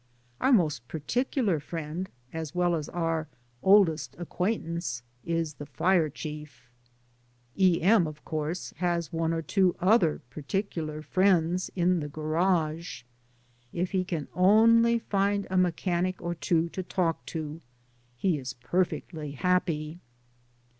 Our most particular friend, as well as our oldest acquaintance, is the fire chief. E. M. has, of course, one or two other particular friends in the garage. If he can only find a mechanic or two to talk to, he is i>erfectly happy.